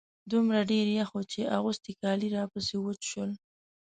دومره ډېر يخ و چې اغوستي کالي راپسې وچ شول.